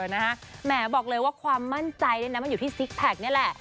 แหมบอกเลยว่าความมั่นใจเนี่ยนะมันอยู่ที่ซิกแพคนี่แหละ